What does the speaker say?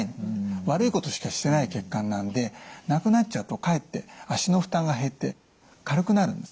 悪いことしかしてない血管なんでなくなっちゃうとかえって脚の負担が減って軽くなるんですね。